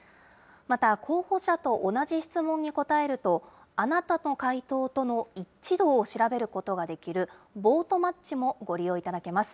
また、候補者と同じ質問に答えると、あなたの回答との一致度を調べることができる、ボートマッチもご利用いただけます。